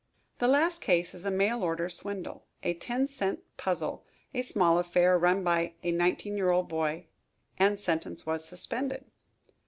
The last case is a mail order swindle, a ten cent puzzle, a small affair, run by a nineteen year old boy, and sentence was suspended."